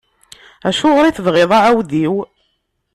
Acuɣer i tebɣiḍ aɛewdiw?